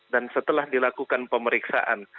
dan setelah dilakukan pemeriksaan